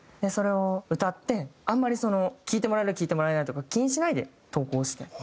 それを歌ってあまり聴いてもらえる聴いてもらえないとか気にしないで投稿して。